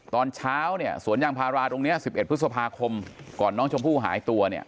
ตอนเช้าเนี่ยสวนยางพาราตรงนี้๑๑พฤษภาคมก่อนน้องชมพู่หายตัวเนี่ย